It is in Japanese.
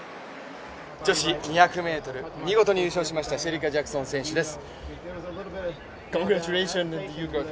女子２００ｍ、見事に優勝しました、シェリカ・ジャクソン選手です。